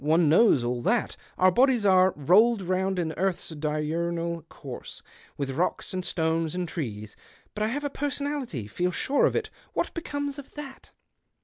One knows all that, our bodies are ' roll'd round in earth's diurnal course, with rocks, and stones, and trees.' But I have a personality, feel sure of it — what becomes of that